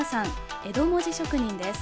江戸文字職人です。